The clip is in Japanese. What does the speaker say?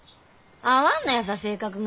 合わんのやさ性格が。